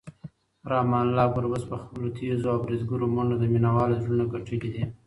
رحمان الله ګربز په خپلو تېزو او بریدګرو منډو د مینوالو زړونه ګټلي دي.